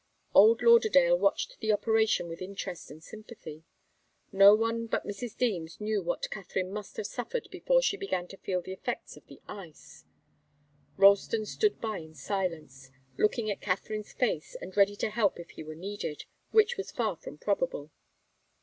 Old Lauderdale watched the operation with interest and sympathy. No one but Mrs. Deems knew what Katharine must have suffered before she began to feel the effects of the ice. Ralston stood by in silence, looking at Katharine's face and ready to help if he were needed, which was far from probable.